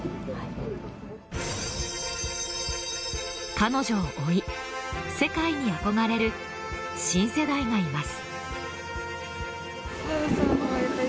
彼女を追い、世界に憧れる新世代がいます。